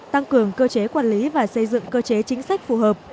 tăng cường cơ chế quản lý và xây dựng cơ chế chính sách phù hợp